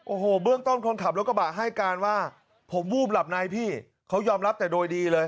โอ้โหเบื้องต้นคนขับรถกระบะให้การว่าผมวูบหลับในพี่เขายอมรับแต่โดยดีเลย